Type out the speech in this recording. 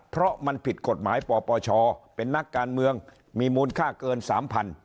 เพราะมันผิดกฎหมายปปชเป็นนักการเมืองมีมูลค่าเกิน๓๐๐